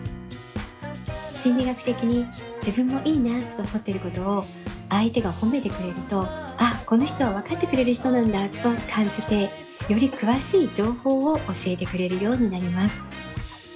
心理学的に自分もいいなと思ってることを相手が褒めてくれるとあっこの人は分かってくれる人なんだと感じてより詳しい情報を教えてくれるようになります。